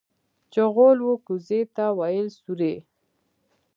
چغول و کوزې ته ويل سورۍ.